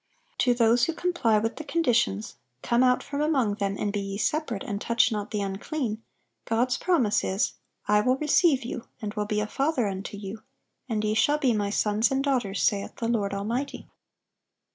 To those who comply with the conditions, "Come out from among them, and be ye separate, ... and touch not the unclean," God's promise is, "I will receive you, and will be a Father unto you, and ye shall be My sons and daughters, saith the Lord Almighty."